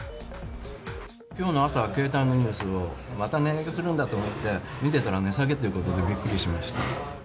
きょうの朝、携帯のニュースを、また値上げするんだと思って見てたら、値下げということで、びっくりしました。